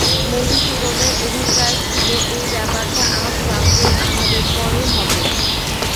মধুসূদনের অভিপ্রায় ছিল এই ব্যাপারটা আজ রাত্রের আহারের পরে হবে।